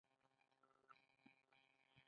د تیلو شګې یوه لویه سرچینه ده.